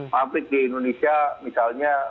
pabrik di indonesia misalnya